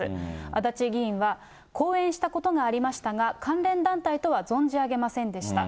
足立議員は、講演したことはありましたが、関連団体とは存じ上げませんでした。